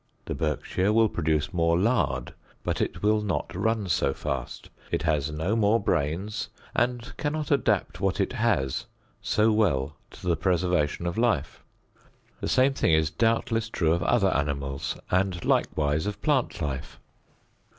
The Berkshire will produce more lard, but it will not run so fast; it has no more brains and cannot adapt what it has so well to the preservation of life. The same thing is doubtless true of other animals and likewise of plant life.